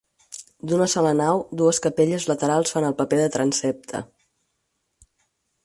D'una sola nau, dues capelles laterals fan el paper de transsepte.